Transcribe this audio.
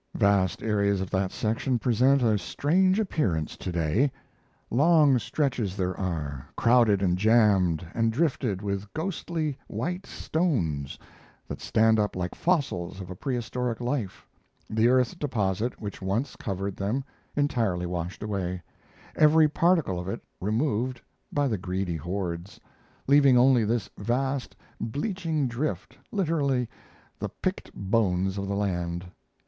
Vast areas of that section present a strange appearance to day. Long stretches there are, crowded and jammed and drifted with ghostly white stones that stand up like fossils of a prehistoric life the earth deposit which once covered them entirely washed away, every particle of it removed by the greedy hordes, leaving only this vast bleaching drift, literally the "picked bones of the land."